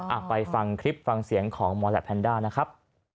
อ่ะไปฟังคลิปฟังเสียงของมอแลปแพนด้านะครับ